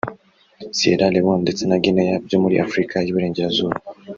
Sierra Leone ndetse na Guinea byo muri Afurika y’Iburengerazuba